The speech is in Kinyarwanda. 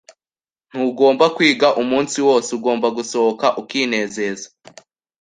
Ntugomba kwiga umunsi wose. Ugomba gusohoka ukinezeza.